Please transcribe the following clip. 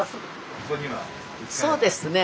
そうですね。